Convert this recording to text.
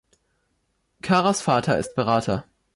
Caras Vater ist Berater.